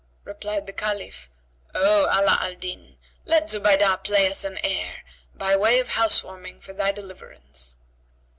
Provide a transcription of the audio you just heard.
Replied the Caliph, "O Ala al Din, let Zubaydah play us an air, by way of house warming[FN#76] for thy deliverance."